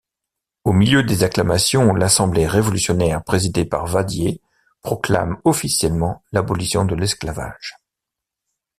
Au milieu des acclamations l'assemblée révolutionnaire présidée par Vadier proclame officiellement l’abolition de l’esclavage.